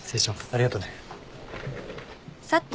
ありがとね。